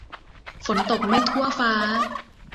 ฝนตกไม่ทั่วฟ้า